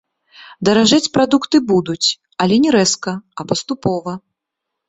Даражэць прадукты будуць, але не рэзка, а паступова.